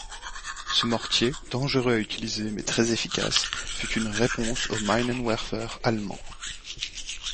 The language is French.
Ce mortier, dangereux à utiliser mais très efficace, fut une réponse au Minenwerfer allemand.